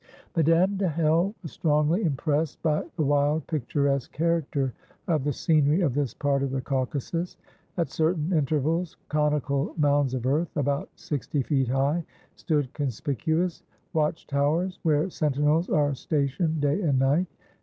Madame de Hell was strongly impressed by the wild picturesque character of the scenery of this part of the Caucasus. At certain intervals, conical mounds of earth, about sixty feet high, stood conspicuous watch towers, where sentinels are stationed day and night.